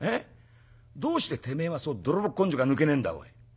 どうしててめえはそう泥棒根性が抜けねえんだおい。